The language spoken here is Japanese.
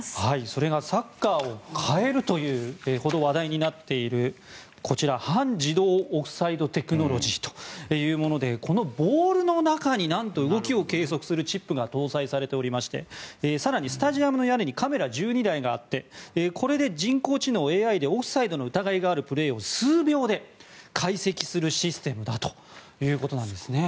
それがサッカーを変えるというほど話題になっているという半自動オフサイドテクノロジーというものでこのボールの中に何と、動きを計測するチップが搭載されておりまして更にスタジアムの屋根にカメラ１２台があってこれで人工知能・ＡＩでオフサイドの疑いがあるプレーを数秒で解析するシステムだということなんですね。